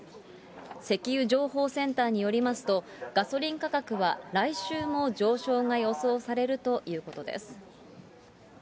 石油情報センターによりますと、ガソリン価格は来週も上昇が予想されるということです。